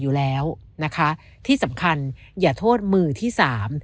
อยู่แล้วนะคะที่สำคัญอย่าโทษมือที่สาม